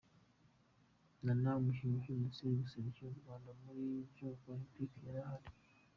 Nana umukinnyi uherutse guserukira u Rwanda muri Jeux Olympique yari ahari.